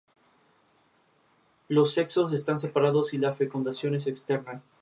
Se alimentan de moluscos y otros animales acuáticos.